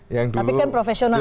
tapi kan profesional nih